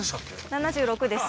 ７６です。